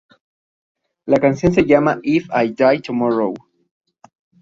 La canción se llama "If I Die Tomorrow".